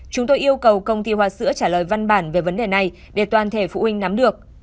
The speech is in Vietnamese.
chúng tôi yêu cầu công ty hoa sữa trả lời văn bản về vấn đề này để toàn thể phụ huynh nắm được